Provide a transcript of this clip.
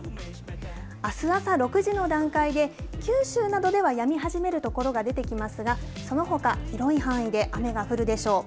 あす朝６時の段階で、九州などではやみ始める所が出てきますが、そのほか広い範囲で雨が降るでしょう。